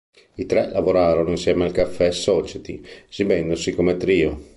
I tre lavorarono insieme al Cafè Society, esibendosi come trio.